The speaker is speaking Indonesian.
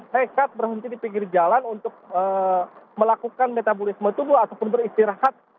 nekat berhenti di pinggir jalan untuk melakukan metabolisme tubuh ataupun beristirahat